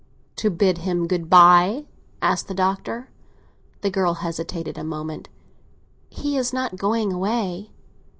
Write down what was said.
"To bid him good bye?" asked the Doctor. The girl hesitated a moment. "He is not going away."